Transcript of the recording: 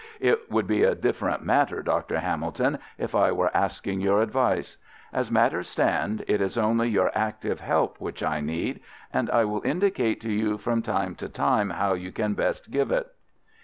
It would be a different matter, Dr. Hamilton, if I were asking your advice. As matters stand, it is only your active help which I need, and I will indicate to you from time to time how you can best give it."